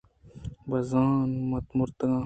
بہ زاں من مُرتاں